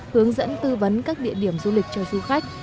hướng dẫn tư vấn các địa điểm du lịch cho du khách